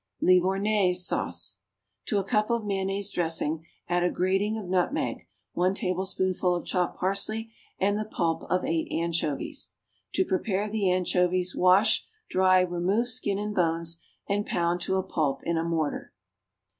=Livournaise Sauce.= To a cup of mayonnaise dressing add a grating of nutmeg, one tablespoonful of chopped parsley and the pulp of eight anchovies. To prepare the anchovies, wash, dry, remove skin and bones and pound to a pulp in a mortar.